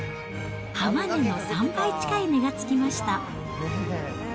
浜値の３倍近い値がつきました。